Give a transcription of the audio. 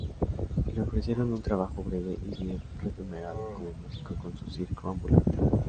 Le ofrecieron un trabajo breve y bien remunerado como músico con su circo ambulante.